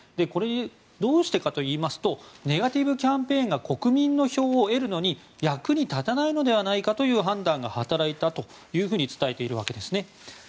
これ、どうしてかといいますとネガティブキャンペーンが国民の票を得るのに役に立たないのではないかという判断が働いたと伝えているわけですね。